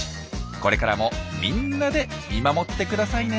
これからもみんなで見守ってくださいね。